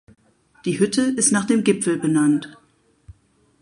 Die Hütte ist nach dem Gipfel benannt.